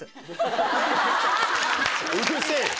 うるせぇ！